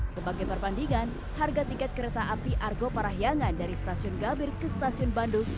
sebagai perbandingan harga tiket kereta api argo parahyangan dari stasiun gambir ke stasiun bandung